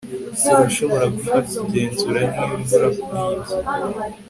Turashobora gufata igenzura ryimvura kuri ibyo